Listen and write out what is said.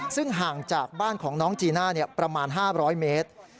ซึ่งห่างจากบ้านของน้องจีน่าประมาณ๕๐๐เมตร